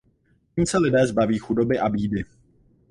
Tím se lidé zbaví chudoby a bídy.